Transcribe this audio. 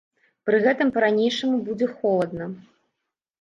Пры гэтым па-ранейшаму будзе холадна.